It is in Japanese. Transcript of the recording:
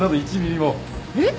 えっ？